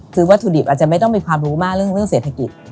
คือวัตถุดิบอาจจะไม่ต้องมีความรู้มากเรื่องเศรษฐกิจ